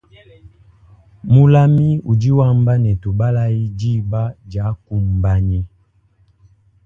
Mulami udi wamba ne tabalayi diba diakumbanyi.